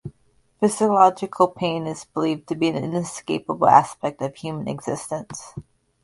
Psychological pain is believed to be an inescapable aspect of human existence.